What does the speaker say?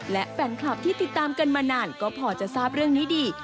และแฟนคลับที่ติดตามกันมานานก็พอจะทราบเรื่องนี้ดี